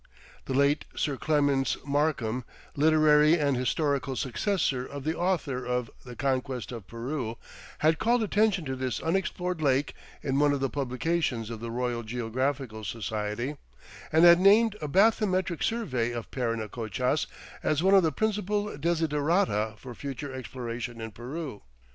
The late Sir Clements Markham, literary and historical successor of the author of "The Conquest of Peru," had called attention to this unexplored lake in one of the publications of the Royal Geographical Society, and had named a bathymetric survey of Parinacochas as one of the principal desiderata for future exploration in Peru.